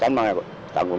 tapi memang tanggung